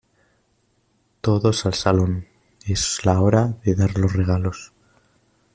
Todos al salón. Es la hora de dar los regalos .